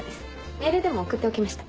メールでも送っておきました。